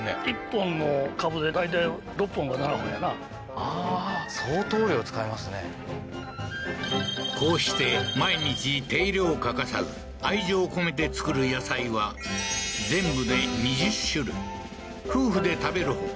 ああーこうして毎日手入れを欠かさず愛情込めて作る野菜は全部で２０種類夫婦で食べるほか